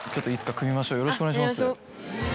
よろしくお願いします。